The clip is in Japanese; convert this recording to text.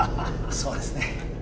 そうですね